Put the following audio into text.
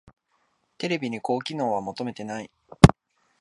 テレビに高機能は求めてない